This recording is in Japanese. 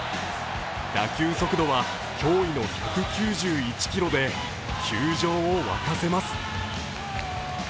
打球速度は脅威の１９１キロで球場を沸かせます。